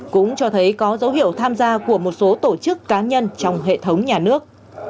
cũng cho thấy có dấu hiệu tham gia của một số tổ chức cá nhân trong hệ thống nhà nước